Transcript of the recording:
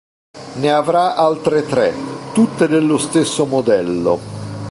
Ne avrà altre tre, tutte dello stesso modello.